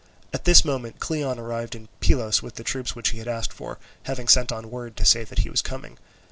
At this moment Cleon arrived at Pylos with the troops which he had asked for, having sent on word to say that he was coming.